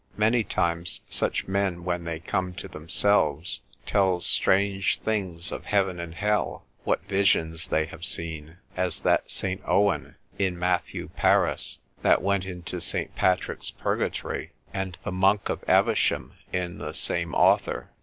Many times such men when they come to themselves, tell strange things of heaven and hell, what visions they have seen; as that St. Owen, in Matthew Paris, that went into St. Patrick's purgatory, and the monk of Evesham in the same author.